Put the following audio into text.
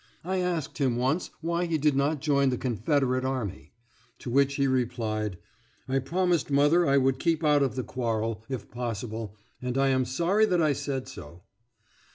I asked him once why he did not join the Confederate army. To which he replied, "I promised mother I would keep out of the quarrel, if possible, and I am sorry that I said so."